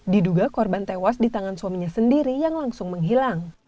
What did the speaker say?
diduga korban tewas di tangan suaminya sendiri yang langsung menghilang